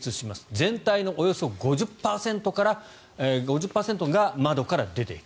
全体のおよそ５０％が窓から出ていく。